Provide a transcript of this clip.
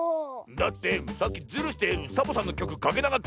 だってさっきズルしてサボさんのきょくかけなかったろ。